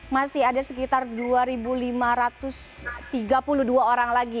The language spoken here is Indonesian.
masih ada sekitar dua lima ratus tiga puluh dua orang lagi